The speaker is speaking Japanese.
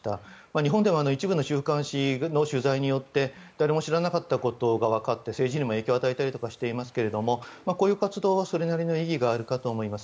日本でも一部の週刊誌の取材によって誰も知らなかったことが分かって政治にも影響を与えたりしていますがこういう活動はそれなりの意義があると思います。